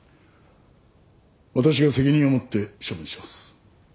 私が責任を持って処分します。